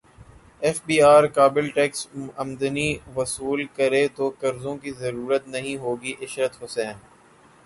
F B R قابل tax امدنی وصول کرے تو قرضوں کی ضرورت نہیں ہوگی عشرت حسین